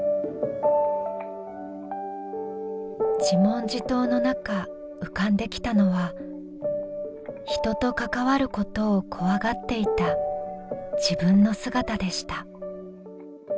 自問自答の中浮かんできたのは人と関わることを怖がっていた自分の姿でした。